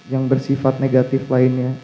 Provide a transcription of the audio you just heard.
yang bersifat negatif lainnya